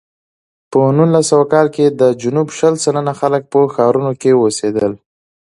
په نولس سوه کال کې د جنوب شل سلنه خلک په ښارونو کې اوسېدل.